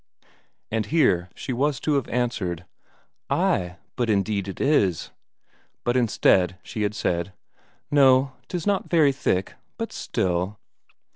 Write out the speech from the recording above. And here she was to have answered: "Ay, but indeed it is." But instead she had said: "No, 'tis not very thick, but still...."